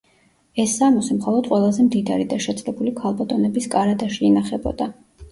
ეს სამოსი მხოლოდ ყველაზე მდიდარი და შეძლებული ქალბატონების კარადაში ინახებოდა.